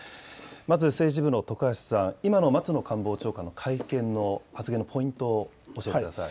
まず政治部の徳橋さん、今の松野官房長官の会見の発言のポイントを教えてください。